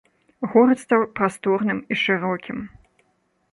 Горад стаў прасторным і шырокім.